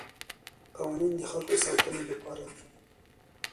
قوانین د خلګو د ساتنې لپاره دي.